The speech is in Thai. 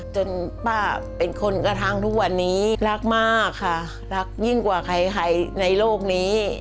จนป้าเป็นคนกระทั่งทุกวันนี้รักมากค่ะรักยิ่งกว่าใครในโลกนี้